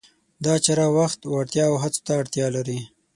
دا چاره وخت، وړتیا او هڅو ته اړتیا لري.